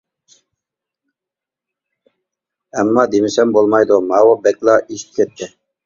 ئەمما، دېمىسەم بولمايدۇ، ماۋۇ بەكلا ئېشىپ كەتتى!